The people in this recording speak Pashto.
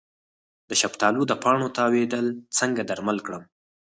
د شفتالو د پاڼو تاویدل څنګه درمل کړم؟